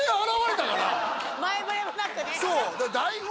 前触れもなくね